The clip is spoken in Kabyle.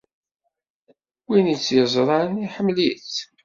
Win tt-yeẓran, iḥemmel-itt.